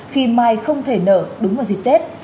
khi mai không thể nở đúng vào dịp tết